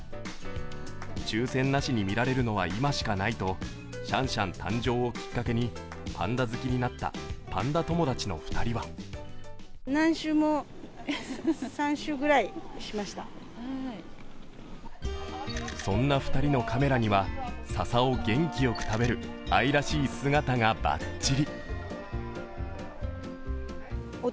抽選なしに見られるのは今しかないとシャンシャン誕生をきっかけにパンダ好きになったパンダ友達の２人はそんな２人のカメラには、ささを元気よく食べる愛らしい姿がバッチリ。